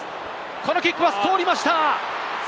このキックは通りました。